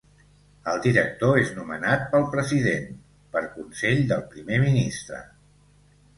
El Director és nomenat pel President, per consell del Primer Ministre.